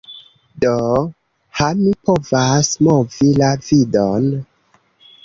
Do... ha mi povas movi la vidon.